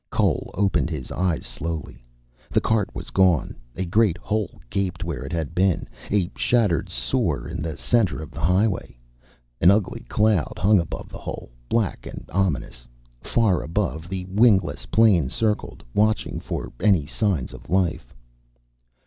Cole opened his eyes slowly. The cart was gone. A great hole gaped where it had been, a shattered sore in the center of the highway. An ugly cloud hung above the hole, black and ominous. Far above, the wingless plane circled, watching for any signs of life.